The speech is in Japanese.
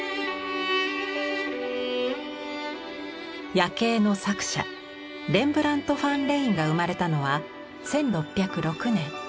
「夜警」の作者レンブラント・ファン・レインが生まれたのは１６０６年。